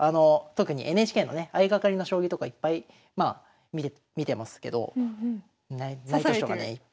特にＮＨＫのね相掛かりの将棋とかいっぱいまあ見てますけど指されてる。